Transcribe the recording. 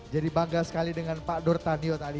jadi bangga sekali dengan pak nur tanyo tadi